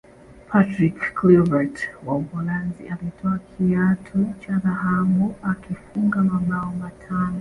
patrick kluivert wa uholanzi alitwaa kiatu cha dhahabu akifunga mabao matano